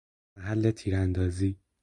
محل تیراندازی